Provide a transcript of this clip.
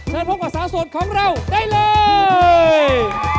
เชิญพวกว่าสาวสวดของเราได้เลย